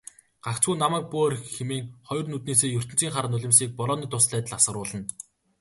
"Гагцхүү намайг бүү орхи" хэмээн хоёр нүднээсээ ертөнцийн хар нулимсыг борооны дусал адил асгаруулна.